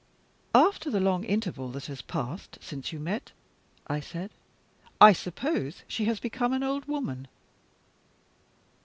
"After the long interval that has passed since you met," I said, "I suppose she has become an old woman?"